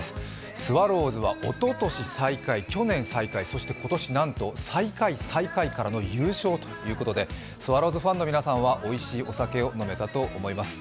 スワローズはおととし、最下位去年最下位、今年なんと最下位、最下位からの優勝ということでスワローズファンの皆さんはおいしいお酒を飲めたと思います。